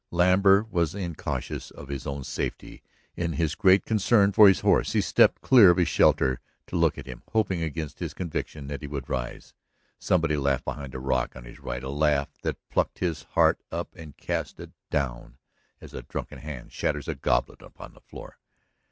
Lambert was incautious of his own safety in his great concern for his horse. He stepped clear of his shelter to look at him, hoping against his conviction that he would rise. Somebody laughed behind the rock on his right, a laugh that plucked his heart up and cast it down, as a drunken hand shatters a goblet upon the floor.